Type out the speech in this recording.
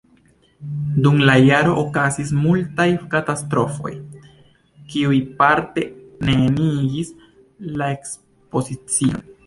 Dum la jaroj okazis multaj katastrofoj, kiuj parte neniigis la ekspozicion.